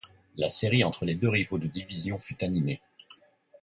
La série entre les deux rivaux de division fut animée.